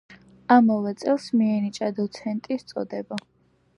ამავე წელს მიენიჭა დოცენტის წოდება.